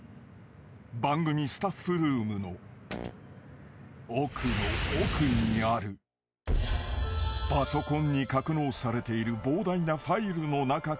［番組スタッフルームの奥の奥にあるパソコンに格納されている膨大なファイルの中からお送りする］